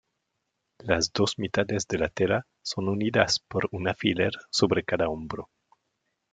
Las dos mitades de la tela son unidas por un alfiler sobre cada hombro.